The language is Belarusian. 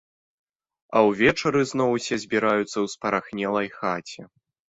А ўвечары зноў усе збіраюцца ў спарахнелай хаце.